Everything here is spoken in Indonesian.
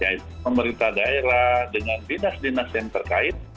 yaitu pemerintah daerah dengan dinas dinas yang terkait